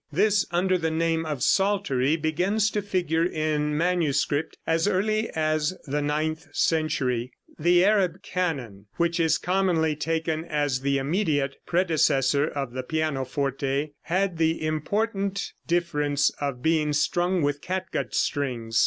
This, under the name of psaltery, begins to figure in manuscript as early as the ninth century. The Arab canon, which is commonly taken as the immediate predecessor of the pianoforte, had the important difference of being strung with catgut strings.